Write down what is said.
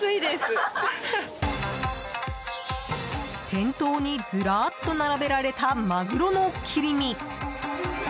店頭にずらっと並べられたマグロの切り身。